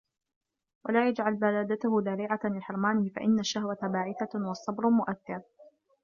وَلَا يَجْعَلَ بَلَادَتَهُ ذَرِيعَةً لِحِرْمَانِهِ فَإِنَّ الشَّهْوَةَ بَاعِثَةٌ وَالصَّبْرَ مُؤَثِّرٌ